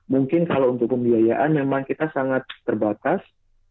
mungkin kalau untuk pembiayaan memang kita sangat terbatas